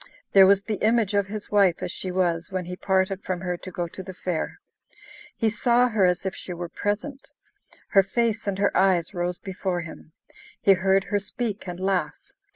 There was the image of his wife as she was when he parted from her to go to the fair. He saw her as if she were present; her face and her eyes rose before him; he heard her speak and laugh.